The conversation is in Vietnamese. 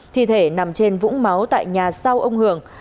thi thể nằm trên vũng máu tại nhà sau ông hường